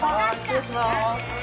失礼します。